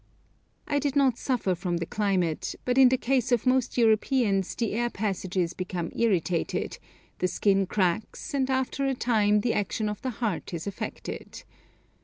I did not suffer from the climate, but in the case of most Europeans the air passages become irritated, the skin cracks, and after a time the action of the heart is affected.